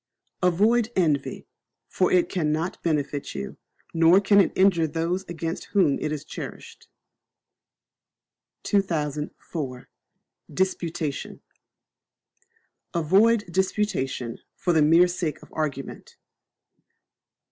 Avoid Envy; for it cannot benefit you, nor can it injure those against whom it is cherished. 2004. Disputation. Avoid Disputation for the mere sake of argument.